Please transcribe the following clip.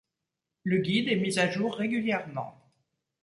Le guide est mis à jour régulièrement.